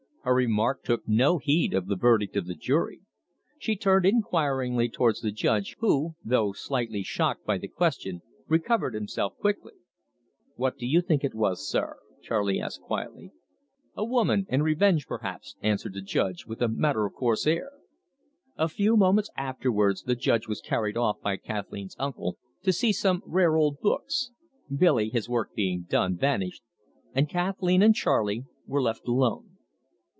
Her remark took no heed of the verdict of the jury. He turned inquiringly towards the judge, who, though slightly shocked by the question, recovered himself quickly. "What do you think it was, sir?" Charley asked quietly. "A woman and revenge, perhaps," answered the judge, with a matter of course air. A few moments afterwards the judge was carried off by Kathleen's uncle to see some rare old books; Billy, his work being done, vanished; and Kathleen and Charley were left alone.